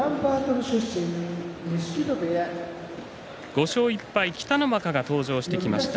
５勝１敗、北の若が登場してきました。